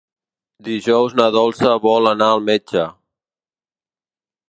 Dijous na Dolça vol anar al metge.